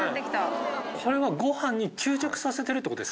これはご飯に吸着させてるってことですか？